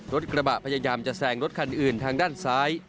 รถกระบะพยายามจะแซงรถคันอื่นทางด้านซ้าย